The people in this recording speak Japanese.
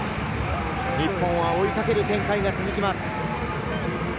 日本は追いかける展開が続きます。